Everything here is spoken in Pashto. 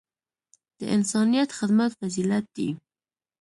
د انسانیت خدمت فضیلت دی.